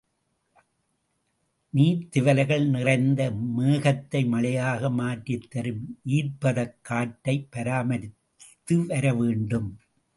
நீர்த்திவலைகள் நிறைந்த மேகத்தை மழையாக மாற்றித் தரும் ஈரப்பதக் காற்றைப் பராமரித்து வரவேண்டும்.